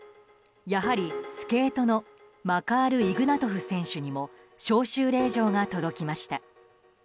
やはり、スケートのマカール・イグナトフ選手にも招集令状が届きました。